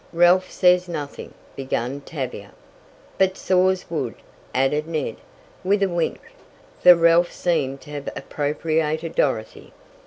"Ralph says nothing " began Tavia. "But saws wood," added Ned, with a wink, for Ralph seemed to have appropriated Dorothy.